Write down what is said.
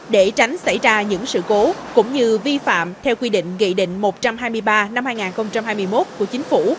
để tránh xảy ra những sự cố cũng như vi phạm theo quy định nghị định một trăm hai mươi ba năm hai nghìn hai mươi một của chính phủ